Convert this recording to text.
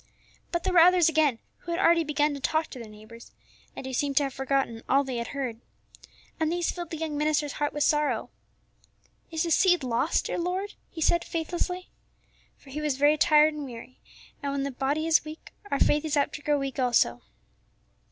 But there were others again who had already begun to talk to their neighbors, and who seemed to have forgotten all they had heard. And these filled the young minister's heart with sorrow. "Is the seed lost, dear Lord?" he said, faithlessly. For he was very tired and weary; and when the body is weak, our faith is apt to grow weak also.